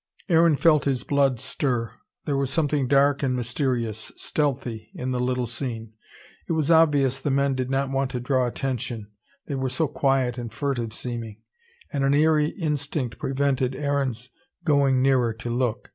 Aaron felt his blood stir. There was something dark and mysterious, stealthy, in the little scene. It was obvious the men did not want to draw attention, they were so quiet and furtive seeming. And an eerie instinct prevented Aaron's going nearer to look.